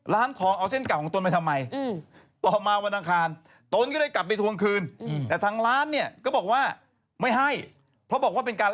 แล้วตำรวจว่าไงครับ